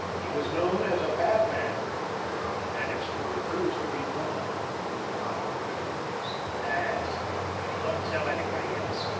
He was known as a "bad" man. But Annixter refused to be drawn. "All right," he said, "that's all right. Don't tell anybody else.